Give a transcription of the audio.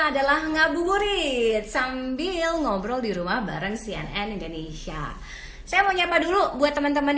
adalah ngabuburit sambil ngobrol di rumah bareng cnn indonesia saya mau nyapa dulu buat teman teman